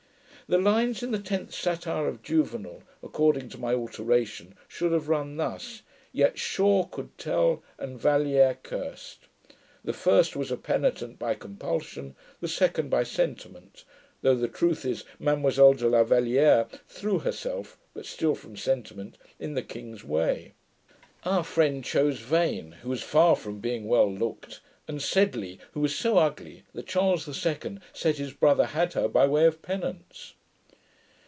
The lines in the tenth Satire of Juvenal, according to my alteration, should have run thus: Yet SHORE [Footnote: Mistress of Edward IV.] could tell ; And VALIERE [Footnote: Mistress of Louis XIV.] curs'd . The first was a penitent by compulsion, the second by sentiment; though the truth is, Mademoiselle de la Valiere threw herself (but still from sentiment) in the King's way. 'Our friend chose Vane, who was far from being well looked; and Sedley, who was so ugly, that Charles II said, his brother had her by way of penance.'